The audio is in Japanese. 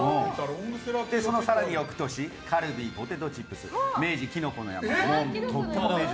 その更に翌年カルビーポテトチップス明治きのこの山。